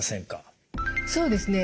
そうですね。